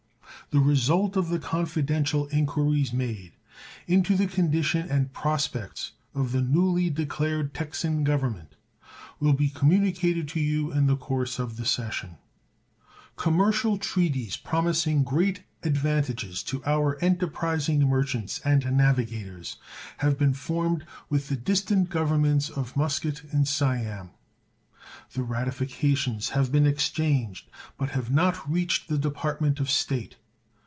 The result of the confidential inquiries made into the condition and prospects of the newly declared Texan Government will be communicated to you in the course of the session. Commercial treaties promising great advantages to our enterprising merchants and navigators have been formed with the distant Governments of Muscat and Siam. The ratifications have been exchanged, but have not reached the Department of State.